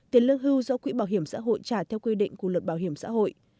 tiền lương hưu do quỹ bảo hiểm xã hội trả theo quy định của luật bảo hiểm xã hội